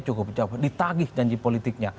cukup ditagih janji politiknya